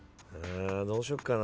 どうしよっかな。